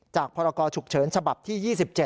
จากพรกชุกเฉินฉบับที่๒๗